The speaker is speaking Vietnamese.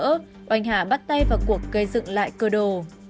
oanh hà bắt tay vào cuộc gây dựng lại cơ đồ